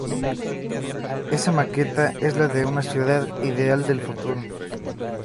Esa Maqueta es la de una ""ciudad ideal del futuro"".